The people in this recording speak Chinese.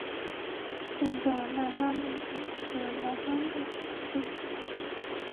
现在迈阿密塔是迈阿密和佛罗里达州第八高的建筑。